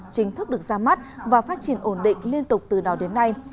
chính thức được ra mắt và phát triển ổn định liên tục từ đó đến nay